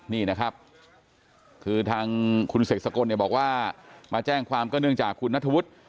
นี่นะครับคือทางคุณเสกสกลเนี่ยบอกว่ามาแจ้งความก็เนื่องจากคุณนัทวุฒิ